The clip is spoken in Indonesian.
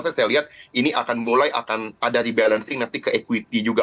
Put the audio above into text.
saya lihat ini akan mulai akan ada rebalancing nanti ke equity juga